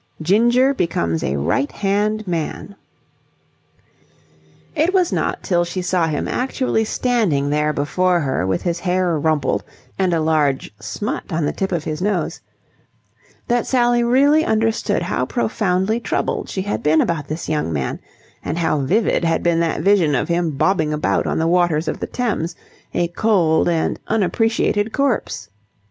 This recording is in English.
GINGER BECOMES A RIGHT HAND MAN It was not till she saw him actually standing there before her with his hair rumpled and a large smut on the tip of his nose, that Sally really understood how profoundly troubled she had been about this young man, and how vivid had been that vision of him bobbing about on the waters of the Thames, a cold and unappreciated corpse.